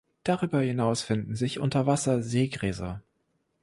Darüber hinaus finden sich unter Wasser Seegräser.